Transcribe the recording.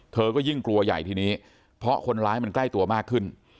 เธอก็ยิ่งกลัวใหญ่ทีนี้เพราะคนร้ายมันใกล้ตัวมากขึ้น